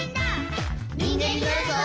「にんげんになるぞ！」